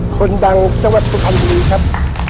คนดังจังหวัดสุพรรณบุรีครับ